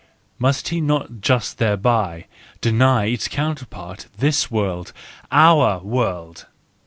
must he not just thereby—deny its counterpart, this world, our world?